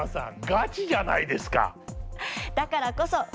ガチじゃないですか！